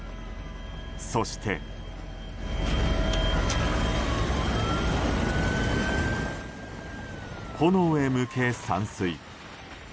そして、炎へ向け散水。